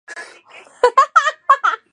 Ganó el Premio Viareggio y murió de sida.